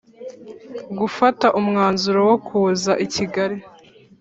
gufata umwanzuro wokuza i kigali.